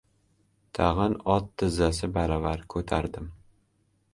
Tag‘in ot tizzasi baravar ko‘tardim.